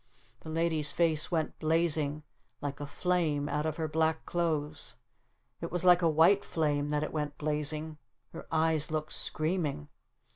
The Lady's face went blazing like a flame out of her black clothes. It was like a white flame that it went blazing. Her eyes looked screaming.